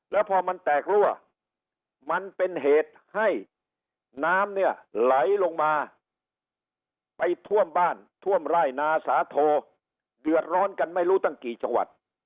แล้วพอมันแตกรั่วมันเป็นเหตุให้น้ำเนี่ยไหลลงมาไปท่วมบ้านท่วมไร่นาสาโทเดือดร้อนกันไม่รู้ตั้งกี่จังหวัด